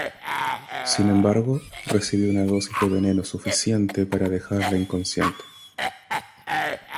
Sin embargo, recibió una dosis de veneno suficiente para dejarla inconsciente.